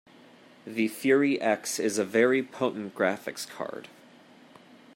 The Fury X is a very potent graphics card.